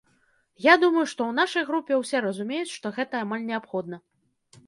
Я думаю, што ў нашай групе ўсе разумеюць, што гэта амаль неабходна.